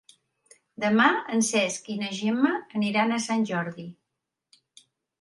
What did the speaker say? Demà en Cesc i na Gemma aniran a Sant Jordi.